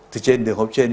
từ trên đường hốp trên